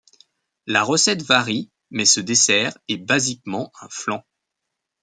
La recette varie, mais ce dessert est basiquement un flan.